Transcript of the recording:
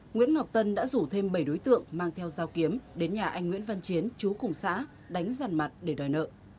nguyễn ngọc tân đã rủ thêm bảy đối tượng mang theo dao kiếm đến nhà anh nguyễn văn chiến chú cùng xã đánh giàn mặt để đòi nợ